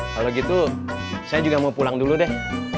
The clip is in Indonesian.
kalau gitu saya juga mau pulang dulu deh